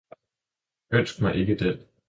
Ønsk Dig ikke den!